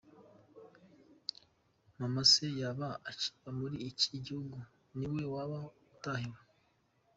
Mama se yaba akiba muri iki gihugu? Niwe waba utahiwe.